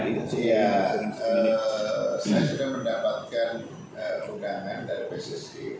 ini saya sudah mendapatkan undangan dari pssi